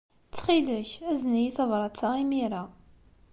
Ttxil-k, azen-iyi tabṛat-a imir-a.